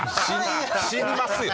死にますよ。